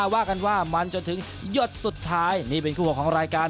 หัวตอบนี้เป็นคู่ห่อของรายการ